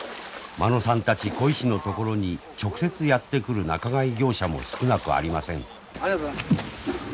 間野さんたち鯉師のところに直接やって来る仲買業者も少なくありません。